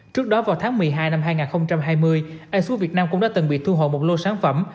trước đó vào tháng một mươi hai năm hai nghìn hai mươi asu việt nam cũng đã từng bị thu hồi một lô sản phẩm